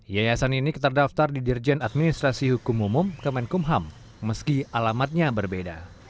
yayasan ini terdaftar di dirjen administrasi hukum umum kemenkumham meski alamatnya berbeda